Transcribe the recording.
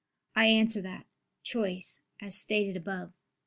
I answer that, Choice, as stated above (Q.